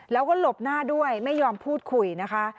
แล้วก็หลบหน้าด้วยไม่ยอมพูดคุยนะคะ